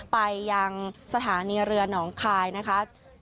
ไปยังสถานีเรือหนองคายนะคะ